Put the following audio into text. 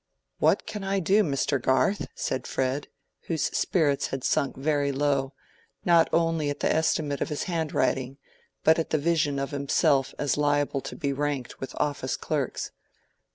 "What can I do, Mr. Garth?" said Fred, whose spirits had sunk very low, not only at the estimate of his handwriting, but at the vision of himself as liable to be ranked with office clerks.